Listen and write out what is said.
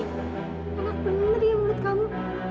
enggak bener ya menurut kamu